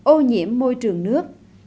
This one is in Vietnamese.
ô nhiễm môi trường nước